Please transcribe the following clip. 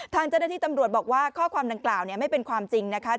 ทางเจ้าหน้าที่ตำรวจบอกว่าข้อความดังกล่าวไม่เป็นความจริงนะคะ